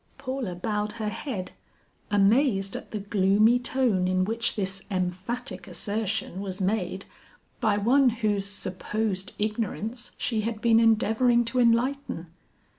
Paula bowed her head, amazed at the gloomy tone in which this emphatic assertion was made by one whose supposed ignorance she had been endeavoring to enlighten.